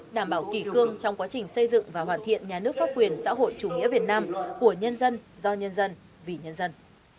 đảm bảo kỷ cương trong quá trình xây dựng và hoàn thiện nhà nước pháp quyền xã hội chủ nghĩa việt nam của nhân dân do nhân dân vì nhân dân